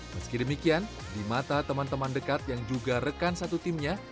meski demikian di mata teman teman dekat yang juga rekan satu timnya